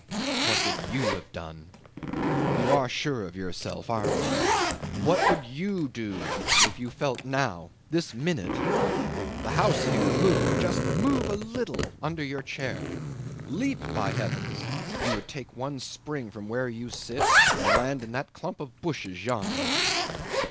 What would you have done? You are sure of yourself aren't you? What would you do if you felt now this minute the house here move, just move a little under your chair. Leap! By heavens! you would take one spring from where you sit and land in that clump of bushes yonder."